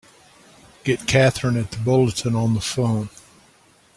Get Katherine at the Bulletin on the phone!